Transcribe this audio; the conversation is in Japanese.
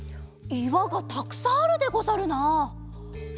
いわがたくさんあるでござるな。